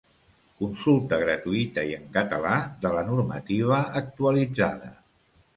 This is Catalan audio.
Consulta gratuïta i en català de la normativa actualitzada.